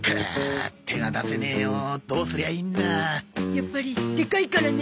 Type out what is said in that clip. やっぱりでかいからね。